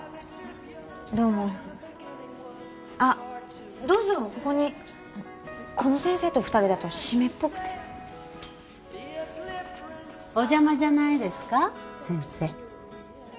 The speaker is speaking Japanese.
どうもどうぞここにこの先生と二人だとしめっぽくてお邪魔じゃないですかセンセ？